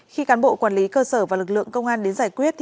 khi cán bộ quản lý cơ sở và lực lượng công an đến giải quyết